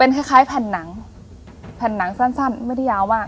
เป็นคล้ายคล้ายแผ่นหนังแผ่นหนังสั้นสั้นไม่ได้ยาวมาก